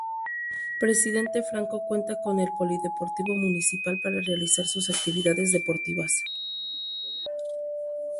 Presidente Franco cuenta con el Polideportivo Municipal para realizar sus actividades deportivas.